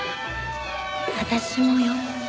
私もよ。